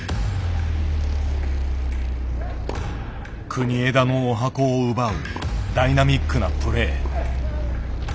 国枝のおはこを奪うダイナミックなプレー。